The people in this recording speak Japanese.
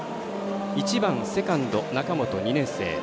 １番セカンド、中本、２年生。